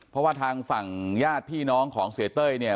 เพราะว่าทางฝั่งญาติพี่น้องของเสียเต้ยเนี่ย